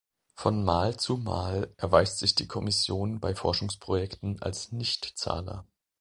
Von Mal zu Mal erweist sich die Kommission bei Forschungsprojekten als Nichtzahler.